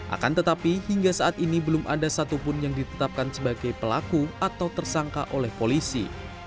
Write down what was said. akan tetapi hingga saat ini belum ada satupun yang ditetapkan sebagai pelaku atau tersangka oleh polisi